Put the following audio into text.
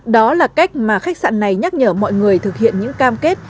đó là cách mà khách sạn này nhắc nhở mọi người thực hiện những cam kết